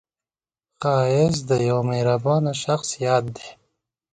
ښایست د یوه مهربان شخص یاد دی